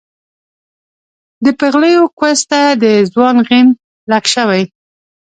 د پېغلې و کوس ته د ځوان غڼ لک شوی